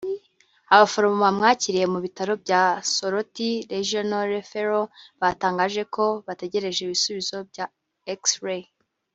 Abaforomo bamwakiriye mu bitaro bya Soroti Regional Referral batangaje ko bategereje ibisubizo bya X-ray